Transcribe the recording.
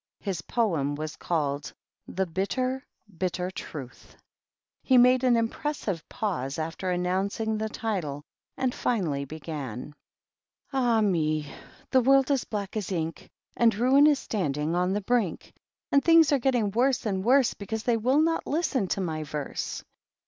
His Poem was called ^^The Bitter ^ Bitter Truth ;^^ he made an impressive pause after announcing the title, and finally began :^^ Ah Me! The world is Black as Ink; And Ruin is standing on the Brink/ And Things are getting Worse and Worse^ Because they will not listen to my Verse.